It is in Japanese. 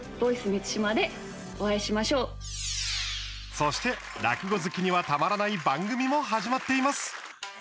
そして、落語好きにはたまらない番組も始まっています。